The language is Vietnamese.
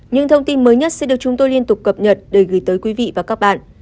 những thông tin mới nhất sẽ được chúng tôi liên tục cập nhật để gửi tới quý vị và các bạn